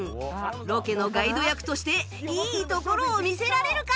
ロケのガイド役としていいところを見せられるか？